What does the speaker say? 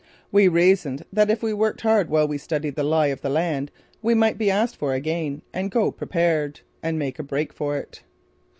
We reasoned that if we worked hard while we studied the lie of the land we might be asked for again, could go prepared, and make a break for it.